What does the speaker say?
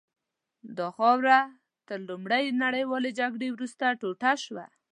دا خاوره تر لومړۍ نړیوالې جګړې وروسته ټوټه شوه.